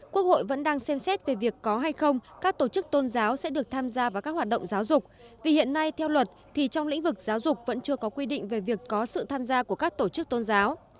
quốc hội vẫn đang xem xét về việc có hay không các tổ chức tôn giáo sẽ được tham gia vào các hoạt động giáo dục vì hiện nay theo luật thì trong lĩnh vực giáo dục vẫn chưa có quy định về việc có sự tham gia của các tổ chức tôn giáo